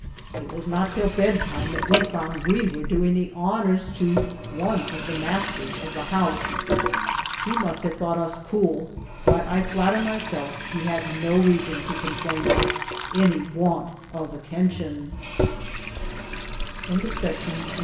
It wto not till bedtime that we found we were doing the honours to one of the masters of the house. He must have thou^t us cool, but I flatter myself he had no reason to c(»nplain of any wi^t of at